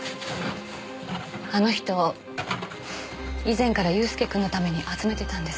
あの人以前から祐介くんのために集めてたんです。